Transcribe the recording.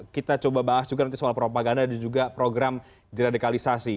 kita coba bahas juga nanti soal propaganda dan juga program diradikalisasi